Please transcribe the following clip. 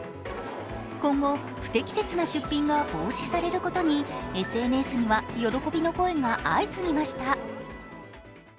今後、不適切な出品が防止されることに、ＳＮＳには喜びの声が相次ぎました。